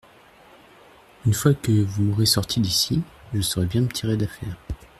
Une fois que vous m'aurez sortie d'ici, je saurai bien me tirer d'affaires.